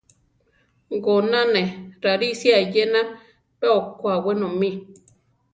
Goná ne rarisia eyena pe okwá wenomí.